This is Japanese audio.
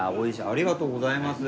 ありがとうございます。